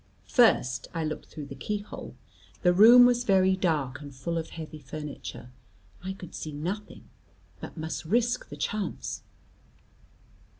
First I looked through the key hole; the room was very dark and full of heavy furniture; I could see nothing; but must risk the chance.